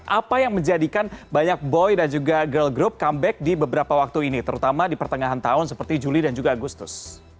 apa yang menjadikan banyak boy dan juga girl group comeback di beberapa waktu ini terutama di pertengahan tahun seperti juli dan juga agustus